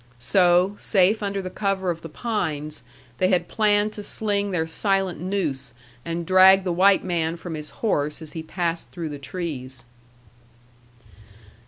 So, safe under the cover of the pines, they had planned to sling their silent noose, and drag the white man from his horse as he passed through the trees.